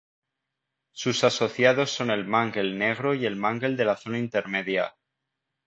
Sus asociados son el mangle negro y el mangle de la zona intermedia.